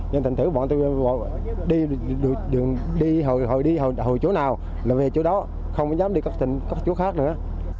nhưng thỉnh thử bọn tôi đi hồi đi hồi chỗ nào là về chỗ đó không dám đi các chỗ khác nữa